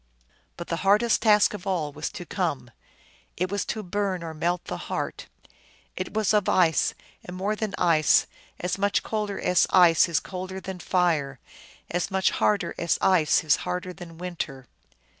But the hardest task of all was to come. It was to burn or melt the heart. It was of ice, and more than ice : as much colder as ice is colder than fire, as much harder as ice is harder than water.